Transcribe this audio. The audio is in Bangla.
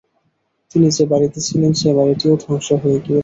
তিনি যে বাড়িতে ছিলেন সে বাড়িটিও ধ্বংস হয়ে গিয়েছে।